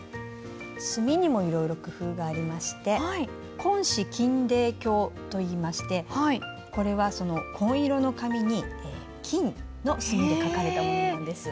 墨にもいろいろ工夫がありまして紺紙金泥経といいましてこれは紺色の紙に金の墨で書かれたものなんです。